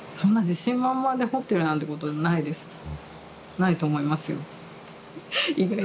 ないと思いますよ。